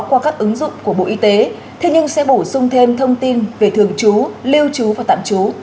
qua các ứng dụng của bộ y tế thế nhưng sẽ bổ sung thêm thông tin về thường trú lưu trú và tạm trú